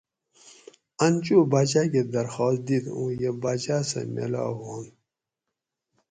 ان چو باچاۤ کہ درخاس دِیت اوں یہ باچاۤ سہ میلا ہوئینت